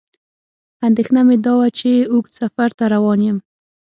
اندېښنه مې دا وه چې اوږد سفر ته روان یم.